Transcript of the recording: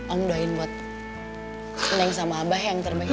om doain buat senang sama abah yang terbaik